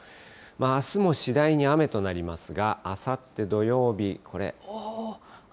あすも次第に雨となりますが、あさって土曜日、これ。